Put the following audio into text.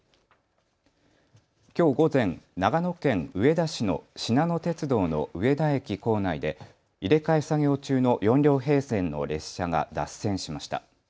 きょう午前、長野県上田市のしなの鉄道の上田駅構内で入れ替え作業中の４両編成の列車が脱線しました。